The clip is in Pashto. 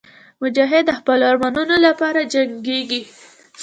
مجاهد د خپلو ارمانونو لپاره جنګېږي.